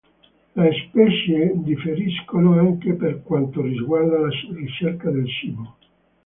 Le specie differiscono anche per quanto riguarda la ricerca del cibo.